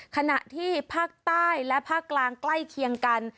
ขณะที่ภาคใต้และภาคกลางใกล้เคียงกัน